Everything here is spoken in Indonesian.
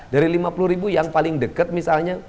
dari lima puluh ribu yang paling dekat misalnya